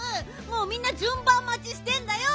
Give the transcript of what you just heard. もうみんなじゅんばんまちしてんだよ。